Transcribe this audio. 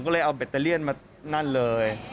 ก็เลยเอาแบตเตอเลียนมานั่นเลย